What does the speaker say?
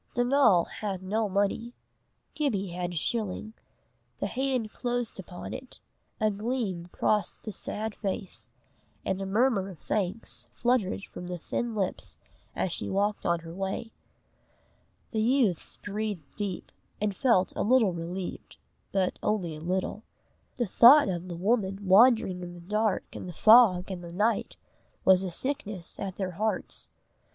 Donal had no money. Gibbie had a shilling. The hand closed upon it, a gleam crossed the sad face, and a murmur of thanks fluttered from the thin lips as she walked on her way. The youths breathed deep, and felt a little relieved, but only a little. The thought of the woman wandering in the dark and the fog and the night, was a sickness at their hearts.